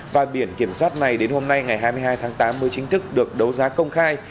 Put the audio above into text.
và biển kiểm soát này đến hôm nay ngày hai mươi hai tháng tám mới chính thức được đấu giá công khai